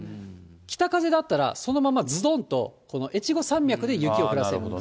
北風だったら、そのままずどんとこの越後山脈で雪を降らせるんです。